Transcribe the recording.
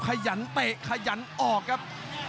โอ้โหเดือดจริงครับ